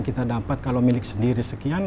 kita dapat kalau milik sendiri sekian